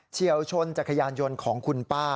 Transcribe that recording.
เชี่ยวชนจักรยานยนต์ของคุณป้า